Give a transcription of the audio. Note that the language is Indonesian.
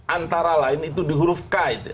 antara lain itu di huruf k